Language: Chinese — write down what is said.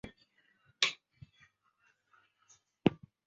大叶杨桐为山茶科杨桐属下的一个种。